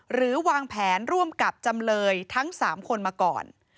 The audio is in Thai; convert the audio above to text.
หรือวางแผนร่วมกับจำเลยทั้ง๓คนมาก่อน